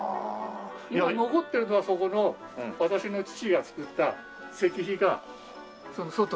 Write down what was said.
今残ってるのはそこの私の父が作った石碑が外にあるんです。